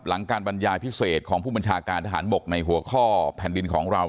หลังการบรรยายพิเศษของผู้บัญชาการทหารบกในหัวข้อแผ่นดินของเรา